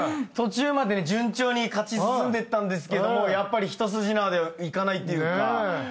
途中まで順調に勝ち進んでったんですけどもやっぱり一筋縄ではいかないっていうか。